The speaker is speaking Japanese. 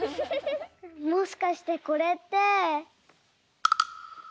もしかしてこれって。